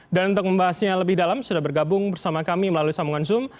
dan untuk membahasnya lebih dalam sudah bergabung bersama kami melalui sambungan zoom